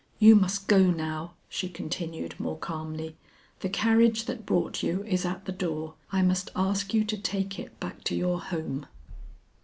"You must go now," she continued more calmly. "The carriage that brought you is at the door; I must ask you to take it back to your home."